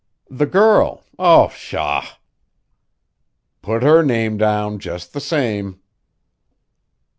"The girl! Oh, pshaw!" "Put her name down just the same."